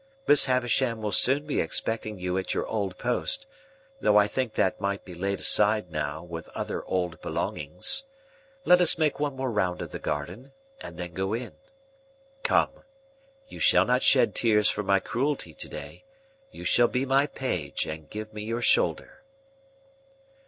Miss Havisham will soon be expecting you at your old post, though I think that might be laid aside now, with other old belongings. Let us make one more round of the garden, and then go in. Come! You shall not shed tears for my cruelty to day; you shall be my Page, and give me your shoulder."